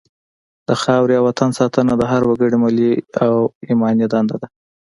د خاورې او وطن ساتنه د هر وګړي ملي او ایماني دنده ده.